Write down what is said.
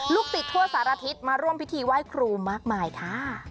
ศิษย์ทั่วสารทิศมาร่วมพิธีไหว้ครูมากมายค่ะ